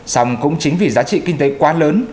xong cũng chính vì giá trị kinh tế quá lớn